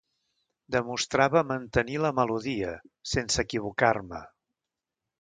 Demostrava mantenir la melodia, sense equivocar-me...